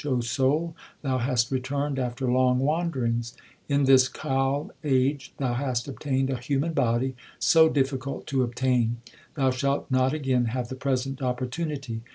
O soul, thou hast returned after long wanderings ; In this Kal age thou hast obtained a human body so difficult to obtain ; Thou shalt not again have the present opportunity.